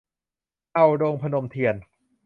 เห่าดง - พนมเทียน